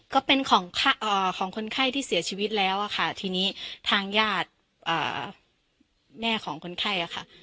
ก็เป็นของคนไข้ที่เสียชีวิตแล้วอะค่ะทีนี้ทางญาติแม่ของคนไข้อะค่ะ